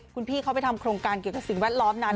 คุณพี่เขาไปทำโครงการเกี่ยวกับสิ่งแวดล้อมนั้น